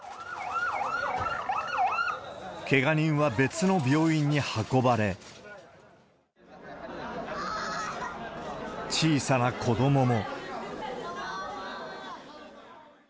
けが人は別の病院に運ばれ、小さな子どもも。